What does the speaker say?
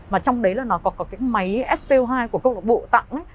mà trong đấy là nó có cái máy spo hai của cộng đồng bộ tặng